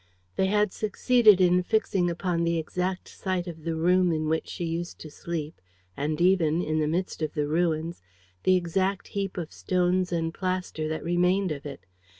They had succeeded in fixing upon the exact site of the room in which she used to sleep and even, in the midst of the ruins, the exact heap of stones and plaster that remained of it.